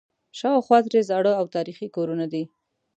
شاوخوا ترې زاړه او تاریخي کورونه دي.